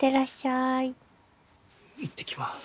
いってきます。